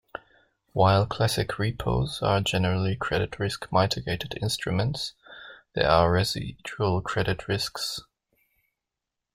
While classic repos are generally credit-risk mitigated instruments, there are residual credit risks.